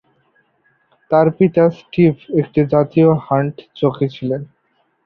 তার পিতা স্টিভ একটি জাতীয় হান্ট জকি ছিলেন।